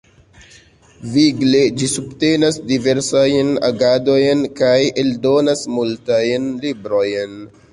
Vigle ĝi subtenas diversajn agadojn kaj eldonas multajn librojn.